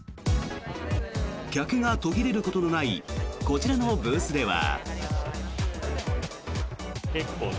客が途切れることのないこちらのブースでは。